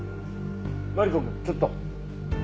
マリコくんちょっと。